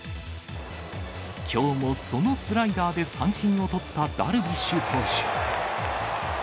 きょうもそのスライダーで三振を取ったダルビッシュ投手。